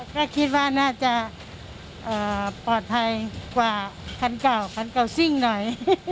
ก็คิดว่าน่าจะปลอดภัยกว่าคันเก่าคันเก่าซิ่งหน่อย